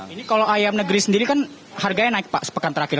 ini kalau ayam negeri sendiri kan harganya naik pak sepekan terakhir